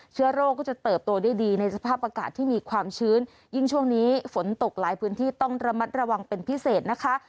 เชื้อโรคก็จะเติบโตได้ดีในสภาพอากาศที่มีความชื้นยิ่งช่วงนี้ฝนตกหลายพื้นที่ต้องระมัดระวังเป็นพิเศษนะคะ